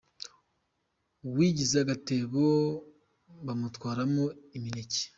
Uwigize agatebo bamutwaramo imineke.